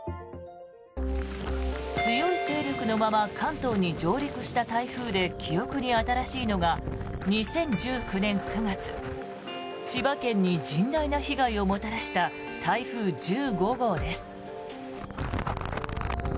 強い勢力のまま関東に上陸した台風で記憶に新しいのが２０１９年９月千葉県に甚大な被害をもたらした台風１５号です。